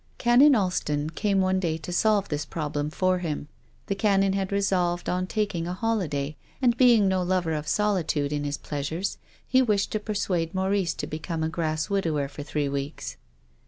Canon Alston came one day to solve this prob lem for him. The Canon had resolved on taking a holiday, and being no lover of solitude in his pleasures, he wished to persuade Maurice to be come a grass widower for three weeks.